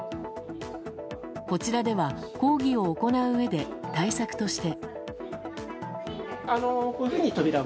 こちらでは講義を行ううえで対策として。